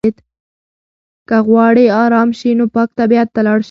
که غواړې ارام شې نو پاک طبیعت ته لاړ شه.